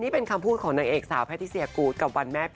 เพราะว่า